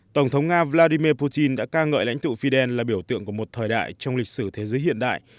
tổng thống nga vladimir putin đã ca ngợi lãnh tụ fidel là biểu tượng của một thời đại trong lịch sử thế giới hiện đại